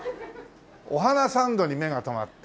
お花サンドに目が留まって。